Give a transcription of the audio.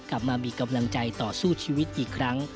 กลับมามีกำลังใจต่อสู้ชีวิตอีกครั้ง